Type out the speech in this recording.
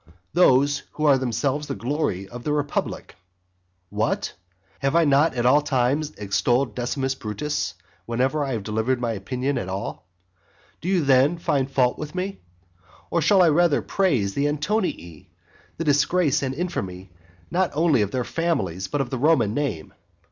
Those who are themselves the glory of the republic. What? have I not at all times extolled Decimus Brutus whenever I have delivered my opinion at all? Do you then find fault with me? or should I rather praise the Antonii, the disgrace and infamy not only of their own families, but of the Roman name?